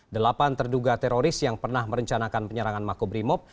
delapan terduga teroris yang pernah merencanakan penyerangan mako brimob